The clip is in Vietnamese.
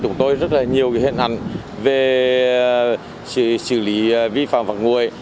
chúng tôi rất là nhiều hình ảnh về xử lý vi phạm vật nguội